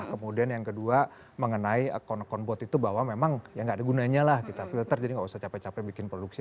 kemudian yang kedua mengenai akun akun bot itu bahwa memang ya nggak ada gunanya lah kita filter jadi nggak usah capek capek bikin produksi